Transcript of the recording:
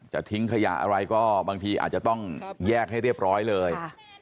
ทิ้งขยะอะไรก็บางทีอาจจะต้องแยกให้เรียบร้อยเลย